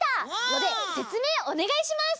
のでせつめいおねがいします！